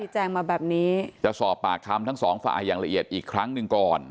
แจ้งมาแบบนี้จะสอบปากคำทั้งสองฝ่ายอย่างละเอียดอีกครั้งหนึ่งก่อน